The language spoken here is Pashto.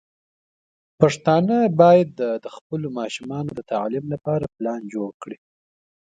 پښتانه بايد د خپلو ماشومانو د تعليم لپاره پلان جوړ کړي.